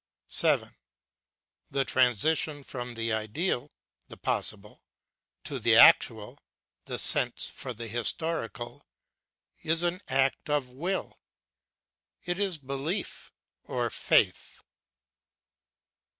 7. The transition from the ideal (the possible) to the actual, the sense for the historical, is an act of will; it is belief or faith.